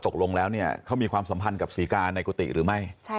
ตกลงแล้วเนี่ยเขามีความสัมพันธ์กับศรีกาในกุฏิหรือไม่